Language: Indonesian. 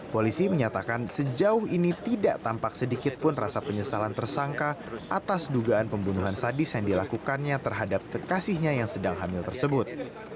polisi menyatakan sejauh ini tidak tampak sedikit pun rasa penyesalan tersangka atas dugaan pembunuhan sadis yang dilakukannya terhadap kekasihnya yang sedang hamil tersebut